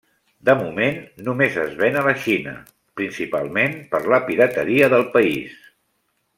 De moment només es ven a la Xina, principalment per la pirateria del país.